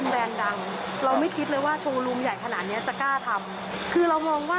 แบบไม่ชัดเจนป้ายศูนย์ป้ายศูนย์